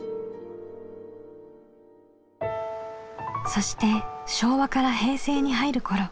そして昭和から平成に入る頃。